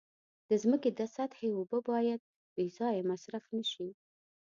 د ځمکې د سطحې اوبه باید بې ځایه مصرف نشي.